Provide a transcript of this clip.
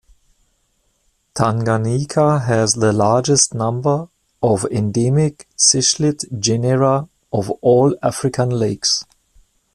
Tanganyika has the largest number of endemic cichlid genera of all African lakes.